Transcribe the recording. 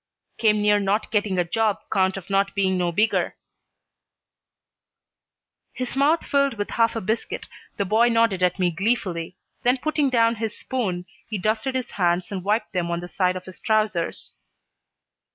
"Came near not getting a job 'count of not being no bigger." His mouth filled with half a biscuit, the boy nodded at me gleefully, then putting down his spoon, he dusted his hands and wiped them on the side of his trousers.